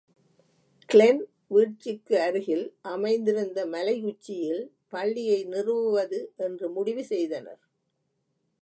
Glenn வீழ்ச்சிக்கு அருகில் அமைந்திருந்த மலையுச்சியில் பள்ளியை நிறுவுவது என்று முடிவு செய்தனர்.